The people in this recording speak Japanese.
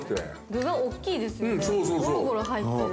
◆具が大きいですよね、ごろごろ入ってる。